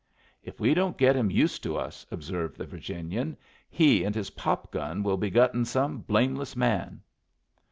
"If we don't get him used to us," observed the Virginian, "he and his pop gun will be guttin' some blameless man."